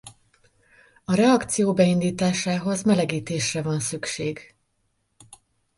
A reakció beindításához melegítésre van szükség.